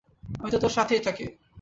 আমি তো তোর সাথেই থাকি।